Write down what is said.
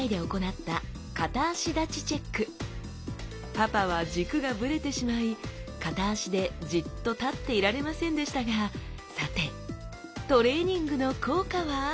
パパは軸がブレてしまい片脚でじっと立っていられませんでしたがさてトレーニングの効果は？